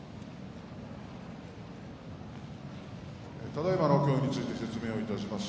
ただいまの協議について説明します。